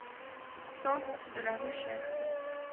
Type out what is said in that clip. cent route de la Ruchère